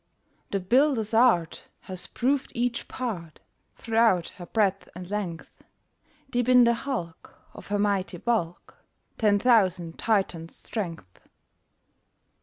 "The builder's art Has proved each part Throughout her breadth and length; Deep in the hulk, Of her mighty bulk, Ten thousand Titans' strength."